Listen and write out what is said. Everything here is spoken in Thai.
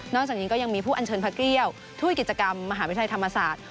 จากนี้ก็ยังมีผู้อัญเชิญพระเกลี้ยวถ้วยกิจกรรมมหาวิทยาลัยธรรมศาสตร์